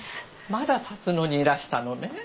まだ龍野にいらしたのね？